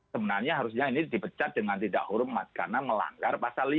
sebenarnya harusnya ini dipecat dengan tidak hormat karena melanggar pasal lima